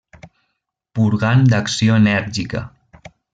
Purgant d'acció enèrgica.